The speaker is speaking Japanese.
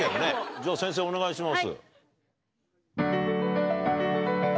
じゃあ、先生、お願いします。